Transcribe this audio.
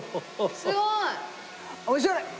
すごい！面白い！